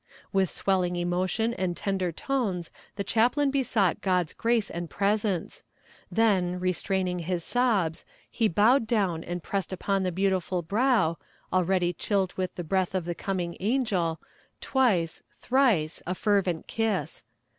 With swelling emotion and tender tones the chaplain besought God's grace and presence; then, restraining his sobs, he bowed down and pressed upon the beautiful brow, already chilled with the breath of the coming angel, twice, thrice, a fervent kiss.